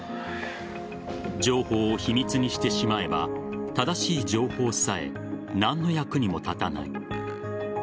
情報を秘密にしてしまえば正しい情報さえ何の役にも立たない。